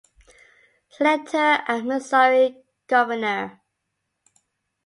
Senator and Missouri Governor.